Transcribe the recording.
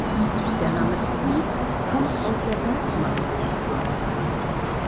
Der Name "Zug" kommt aus der Bergmannssprache.